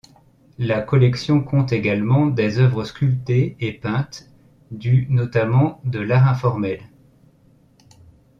La collection compte également des œuvres sculptées et peintes du notamment de l'art informel.